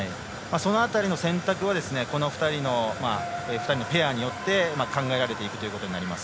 その辺りの選択はこの２人のペアによって考えられていくということになります。